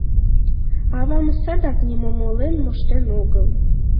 — Авам садак нимом ойлен моштен огыл.